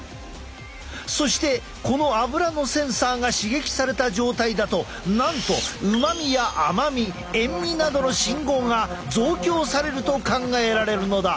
そしてこのアブラのセンサーが刺激された状態だとなんと旨味や甘み塩味などの信号が増強されると考えられるのだ。